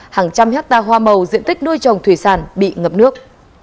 hàng trăm hectare hoa màu diện tích nuôi trồng thủy sản bị ngập nước